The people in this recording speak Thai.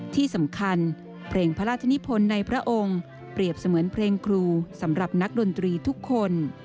ที่สำคัญเพลงพระราชนิพลในพระองค์เปรียบเสมือนเพลงครูสำหรับนักดนตรีทุกคน